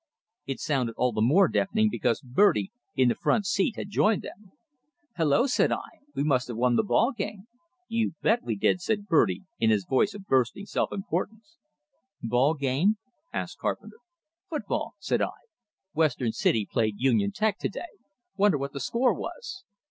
It sounded all the more deafening, because Bertie, in the front seat, had joined in. "Hello!" said I. "We must have won the ball game!" "You bet we did!" said Bertie, in his voice of bursting self importance. "Ball game?" asked Carpenter. "Foot ball," said I. "Western City played Union Tech today. Wonder what the score was."